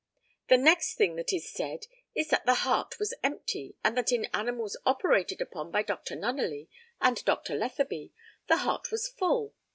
The next thing that is said is that the heart was empty, and that in the animals operated upon by Dr. Nunneley and Dr. Letheby, the heart was full.